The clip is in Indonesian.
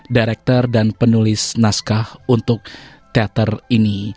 direktur dan penulis naskah untuk teater ini